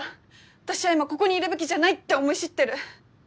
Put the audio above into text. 私は今ここにいるべきじゃないって思い知ってる。